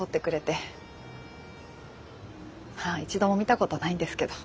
まあ一度も見たことないんですけど。